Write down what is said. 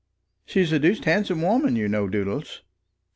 "She's a doosed handsome woman, you know, Doodles."